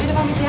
udah pamit ya